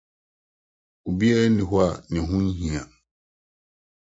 Obiara nni hɔ a ne ho nhia.